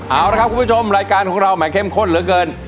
เอาละครับคุณผู้ชมรายการของเราแห่เข้มข้นเหลือเกิน